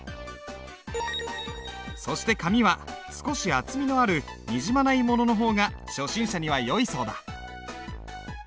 そして紙は少し厚みのあるにじまないものの方が初心者にはよいそうだ。